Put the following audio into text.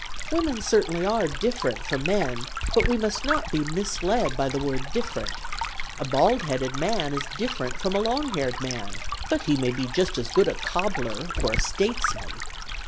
Women certainly are different from men, but we must not be misled by the word ' different.' A bald headed man is different from a long haired man, but he may be just as good a cobbler, or a statesman.